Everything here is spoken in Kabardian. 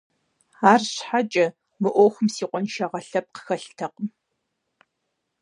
АрщхьэкӀэ, мы Ӏуэхум си къуаншагъэ лъэпкъ хэлътэкъым.